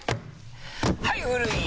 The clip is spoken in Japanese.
はい古い！